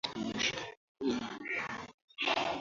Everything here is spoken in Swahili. kwa Mfuko wa Kodi ya Maendeleo ya Petroli uhaba huo umeendelea